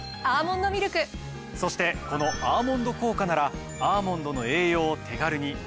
そしてこの「アーモンド効果」ならアーモンドの栄養を手軽においしく取れるんです。